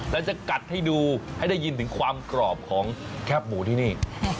แล้วจะกัดให้ดูให้ได้ยินถึงความกรอบของแคบหมูที่นี่